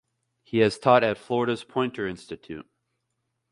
He has taught at Florida's Poynter Institute.